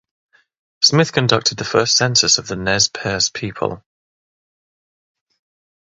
Smith conducted the first census of the Nez Perce people.